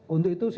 untuk itu saya